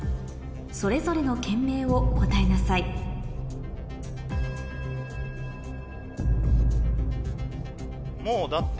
それぞれの県名を答えなさいもうだって。